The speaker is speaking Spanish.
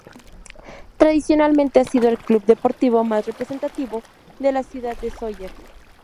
Tradicionalmente ha sido el club deportivo más representativo de la Ciudad de Sóller.